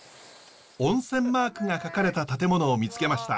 温泉マークが書かれた建物を見つけました。